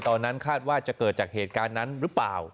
ตอนนั้นคาดว่าจะเกิดจากเหตุการณ์นั้นหรือเปล่า